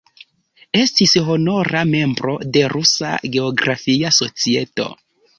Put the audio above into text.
Estis honora membro de Rusa Geografia Societo.